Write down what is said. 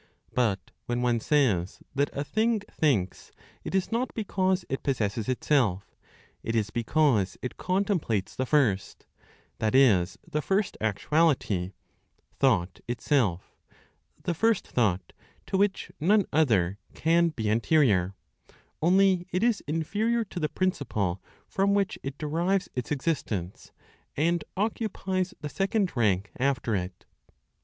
But when one says that a thing thinks, it is not because it possesses itself, it is because it contemplates the First; that is the first actuality, thought itself, the first thought, to which none other can be anterior; only, it is inferior to the principle from which it derives its existence, and occupies the second rank after it.